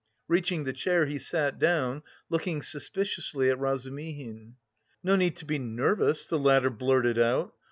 Reaching the chair, he sat down, looking suspiciously at Razumihin. "No need to be nervous," the latter blurted out.